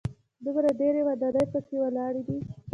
دومره ډېرې ودانۍ په کې ولاړې دي.